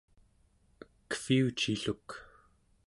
ekviucilluk